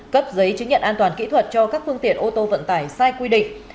cấp giấy chứng nhận an toàn kỹ thuật cho các phương tiện ô tô vận tải sai quy định